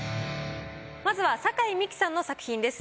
まずは酒井美紀さんの作品です。